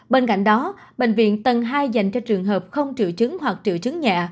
bên cạnh đó bệnh viện tầng hai dành cho trường hợp không triệu chứng hoặc triệu chứng nhẹ